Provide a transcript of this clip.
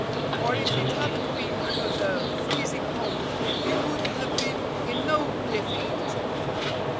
Or if it hadn't been for the freezing cold he would have been in no difficulty.